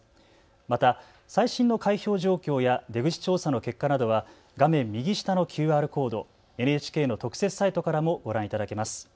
また最新の開票状況や出口調査の結果などは画面右下のＱＲコード、ＮＨＫの特設サイトからもご覧いただけます。